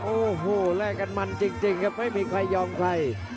โอ้โหแลกกันมันจริงครับไม่มีใครยอมใคร